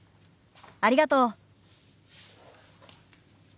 ありがとう。